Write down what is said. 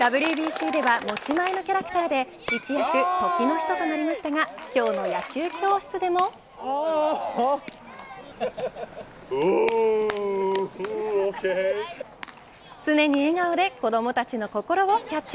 ＷＢＣでは持ち前のキャラクターで一躍、時の人となりましたが常に笑顔で子どもたちの心をキャッチ。